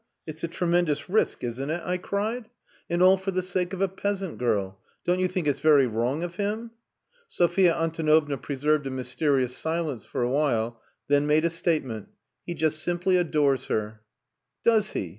It's a tremendous risk isn't it?" I cried. "And all for the sake of a peasant girl. Don't you think it's very wrong of him?" Sophia Antonovna preserved a mysterious silence for a while, then made a statement. "He just simply adores her." "Does he?